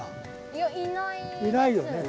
いないよね。